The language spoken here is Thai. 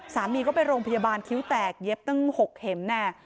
สามีก็ไปโรงพยาบาลคิ้วแตกเย็บตั้ง๖เข็มแน่